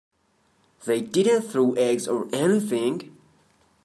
They didn't throw eggs, or anything?